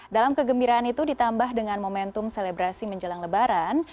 dalam kegembiraan itu ditambah dengan momentum selebrasi menjelang lebaran